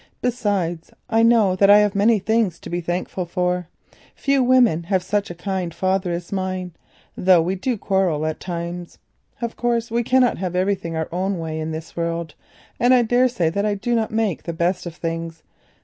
Besides, I know that I have many things to be thankful for. Few women have such a kind father as mine, though we do quarrel at times. Of course we cannot have everything our own way in this world, and I daresay that I do not make the best of things.